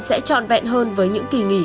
sẽ trọn vẹn hơn với những kỳ nghỉ